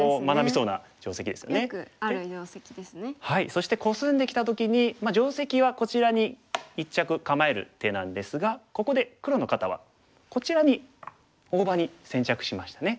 そしてコスんできた時にまあ定石はこちらに一着構える手なんですがここで黒の方はこちらに大場に先着しましたね。